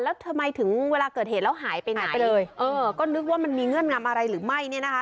แล้วทำไมถึงเวลาเกิดเหตุแล้วหายไปไหนไปเลยเออก็นึกว่ามันมีเงื่อนงำอะไรหรือไม่เนี่ยนะคะ